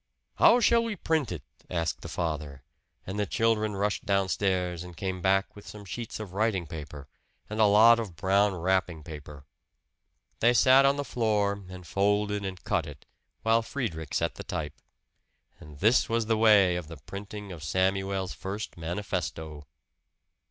"How shall we print it?" asked the father; and the children rushed downstairs and came back with some sheets of writing paper, and a lot of brown wrapping paper. They sat on the floor and folded and cut it, while Friedrich set the type. And this was the way of the printing of Samuel's first manifesto.